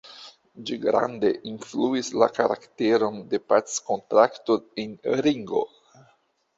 Ĝi grande influis la karakteron de packontrakto en Rigo.